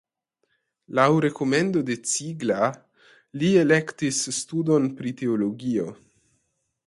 Laŭ rekomendo de Ziegler li elektis studon pri teologio.